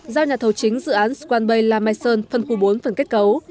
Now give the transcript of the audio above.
giao nhà thầu chính dự án swan bay lamazong phần khu bốn phần kết cấu